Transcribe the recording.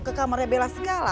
ke kamarnya bella segala